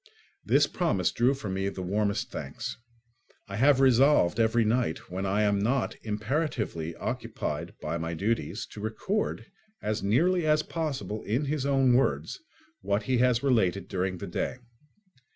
This promise drew from me the warmest thanks. I have resolved every night, when I am not imperatively occupied by my duties, to record, as nearly as possible in his own words, what he has related during the day.